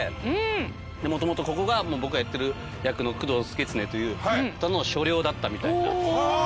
もともとここが僕がやってる役の工藤祐経という方の所領だったみたいな所なんです。